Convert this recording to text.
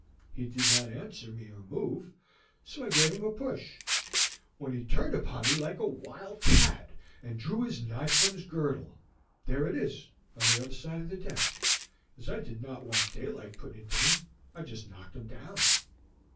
He did not answer or move, so I gave him a push, when he turned upon me like a wild cat, and drew his knife from his girdle. There it is, on the other side of the deck. As I did not want daylight put into me, I just knocked him down."